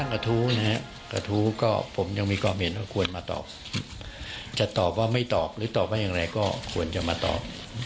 กระทู้นะฮะกระทู้ก็ผมยังมีความเห็นว่าควรมาตอบจะตอบว่าไม่ตอบหรือตอบว่าอย่างไรก็ควรจะมาตอบ